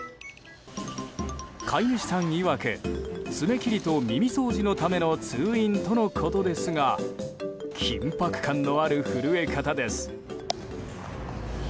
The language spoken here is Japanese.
飼い主さんいわく爪切りと耳掃除のための通院とのことですが緊迫感のある震え方です。